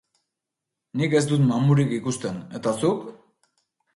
Nik ez dut mamurik ikusten, eta zuk?